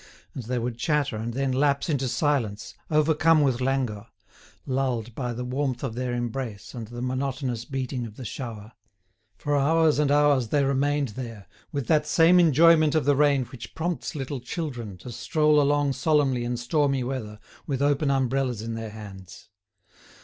And they would chatter and then lapse into silence, overcome with languor, lulled by the warmth of their embrace and the monotonous beating of the shower. For hours and hours they remained there, with that same enjoyment of the rain which prompts little children to stroll along solemnly in stormy weather with open umbrellas in their hands.